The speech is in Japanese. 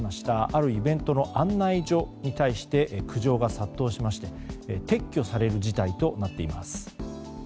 あるイベントの案内所に対して苦情が殺到しまして撤去される事態となっています。